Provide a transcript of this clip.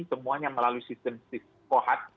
semuanya melalui sistem siskohat